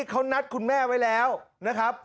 เขานัดคุณแม่ไว้แล้วนะครับ